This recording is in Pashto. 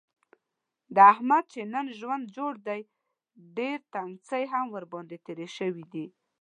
د احمد چې نن ژوند جوړ دی، ډېر تنګڅۍ هم ورباندې تېرې شوي دي.